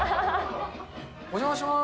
お邪魔します。